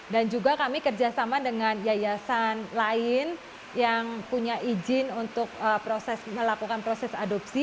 dan juga kami kerjasama dengan yayasan lain yang punya izin untuk melakukan proses adopsi